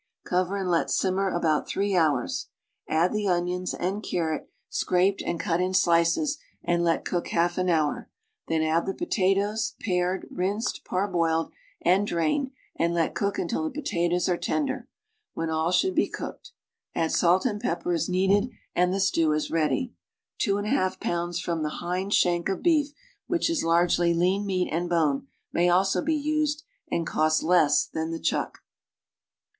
Cover and let sim mer about three hours. Add the onions, and carrot, scrajjed and cut in slices, and let cook half an hour; then add the potatoes, pared, rinsed, parboiled and drained, and let cook until the potatoes are tender, when all should be cooked. Add salt and pepper as needed and the stew is ready. Two and a half pounds from the hind shank of beef, which is largely lean meat and bone, may also be used and costs less than the "chuck."